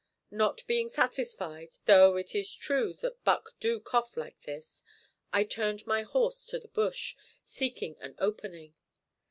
Not being satisfied, though it is true that buck do cough like this, I turned my horse to the bush, seeking an opening.